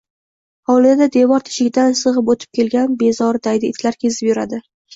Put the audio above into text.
Hovlida devor teshigidan sig‘ib o‘tib kelgan bezori daydi itlar kezinib yuradi